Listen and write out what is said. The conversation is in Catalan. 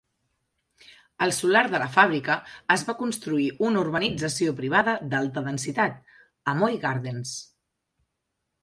Al solar de la fàbrica es va construir una urbanització privada d'alta densitat, Amoy Gardens.